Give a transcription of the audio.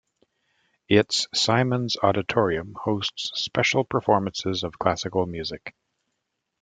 Its Simons Auditorium hosts special performances of classical music.